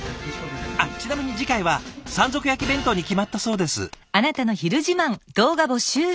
あっちなみに次回は山賊焼き弁当に決まったそうです。